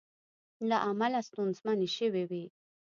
له امله ستونزمنې شوې وې